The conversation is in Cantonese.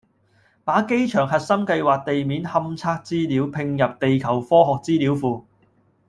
把機場核心計劃地面勘測資料併入地球科學資料庫